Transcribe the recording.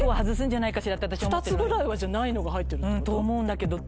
２つぐらいはじゃあないのが入ってるってこと？と思うんだけど。